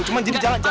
cuma jadi jangan